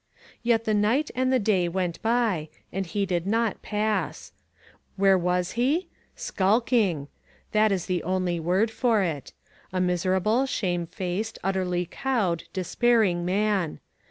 Yet the night and the day went by, and he did not pass. Where was he? Skulk ing! That is the only word for it. A miserable, shamefaced, utterly cowed, despair ing man.